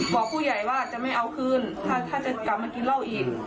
บอกผู้ใหญ่ว่าจะไม่เอาคืนถ้าจะกลับมากินเหล้าอีก